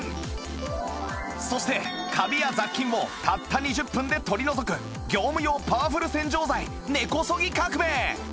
そしてカビや雑菌をたった２０分で取り除く業務用パワフル洗浄剤根こそぎ革命